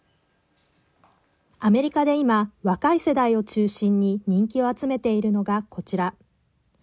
アメリカで今若い世代を中心に人気を集めているのが、こちら。